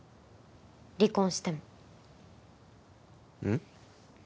離婚してもうん？